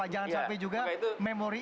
jangan sampai juga memori